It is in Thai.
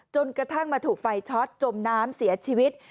จนกระทั่งมาถูกไฟช็อตจมน้ำเสียชีวิต